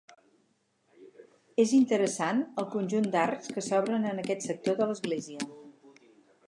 És interessant el conjunt d'arcs que s'obren en aquest sector de l'església.